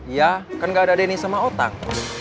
iya kan gak ada denny sama otak